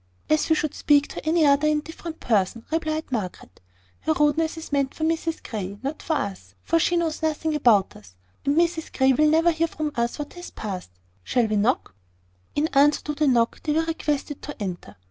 "As we should speak to any other indifferent person," replied Margaret. "Her rudeness is meant for Mrs Grey, not for us; for she knows nothing about us: and Mrs Grey will never hear from us what has passed. Shall we knock?" In answer to the knock, they were requested to enter.